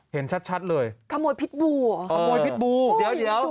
เห็นชัดชัดเลยขโมยพิษบูเหรอขโมยพิษบูเดี๋ยวเดี๋ยว